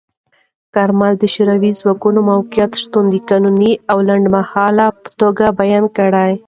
کارمل د شوروي ځواکونو موقت شتون د قانوني او لنډمهاله په توګه بیان کړ.